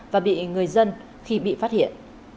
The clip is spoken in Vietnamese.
và bị người dân khi bị phát hiện